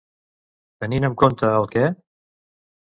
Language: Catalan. Tenint en compte el què?